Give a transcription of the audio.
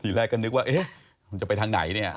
แรกก็นึกว่าเอ๊ะมันจะไปทางไหนเนี่ย